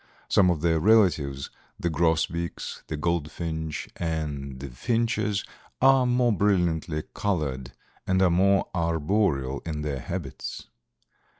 Some of their relatives, the grosbeaks, the goldfinch and the finches, are more brilliantly colored and are more arboreal in their habits.